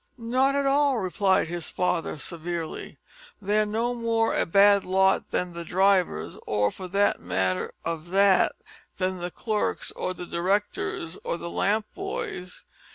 "Not at all," replied his father severely. "They're no more a bad lot than the drivers, or, for the matter of that, than the clerks or the directors, or the lamp boys.